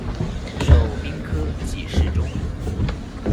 授兵科给事中。